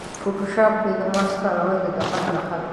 فوټوشاپ کې د ماسک کارول د دقت نښه ده.